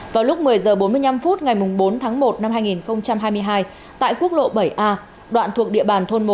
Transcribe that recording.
vào lúc một mươi h bốn mươi năm phút ngày bốn tháng một năm hai nghìn hai mươi hai tại quốc lộ bảy a đoạn thuộc địa bàn thôn một